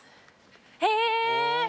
へえ。